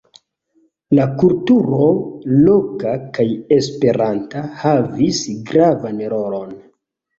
La kulturo, loka kaj esperanta, havis gravan rolon.